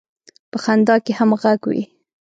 په خندا کې هم غږ وي.